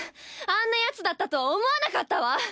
あんなヤツだったとは思わなかったわ！